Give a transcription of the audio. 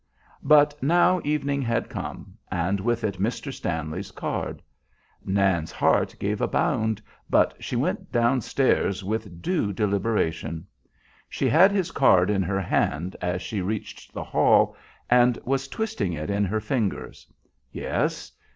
But now evening had come, and with it Mr. Stanley's card. Nan's heart gave a bound, but she went down stairs with due deliberation. She had his card in her hand as she reached the hall, and was twisting it in her fingers. Yes.